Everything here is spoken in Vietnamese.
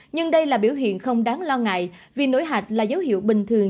nhưng đây là biểu hiện không đáng lo ngại vì nổi hạch là dấu hiệu bình thường